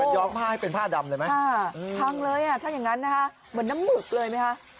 ย้อกผ้าให้เป็นผ้าดำเลยไหมฮ่าทำเลยช่างงั้นน่ะฮะ